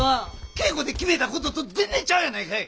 稽古で決めたことと全然ちゃうやないかい！